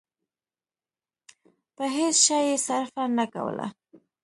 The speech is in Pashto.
په هېڅ شي يې صرفه نه کوله.